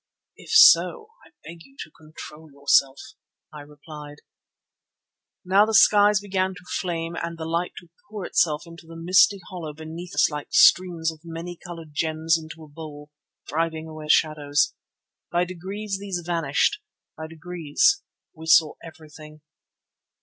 "If so, I beg you to control yourself," I replied. Now the skies began to flame and the light to pour itself into a misty hollow beneath us like streams of many coloured gems into a bowl, driving away the shadows. By degrees these vanished; by degrees we saw everything.